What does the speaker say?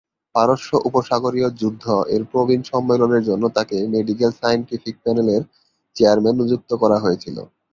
পারস্য উপসাগরীয় যুদ্ধ এর প্রবীণ সম্মেলনের জন্য তাঁকে মেডিকেল-সায়েন্টিফিক প্যানেলের চেয়ারম্যান নিযুক্ত করা হয়েছিল।